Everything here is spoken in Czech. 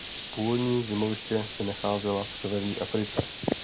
Původní zimoviště se nacházela v severní Africe.